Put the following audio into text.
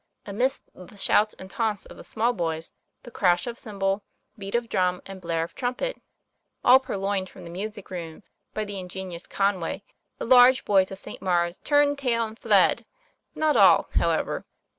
Amidst the shouts and taunts of the small boys, the crash of cymbal, beat of drum and blare of trumpet all purloined from the music room by the ingenious Conway the large boys of St. Maure's turned tail and fled! Not all, however.